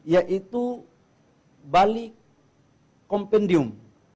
yaitu balik kompendium